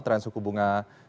tren suku bunga acuan